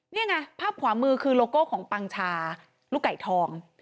นี่ไงภาพขวามือคือโลโก้ของปังชาลูกไก่ทอง